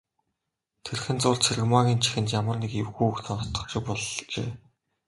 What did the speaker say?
Тэрхэн зуур Цэрэгмаагийн чихэнд ямар нэг эвгүй үг сонстох шиг болжээ.